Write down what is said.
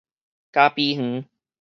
咖啡園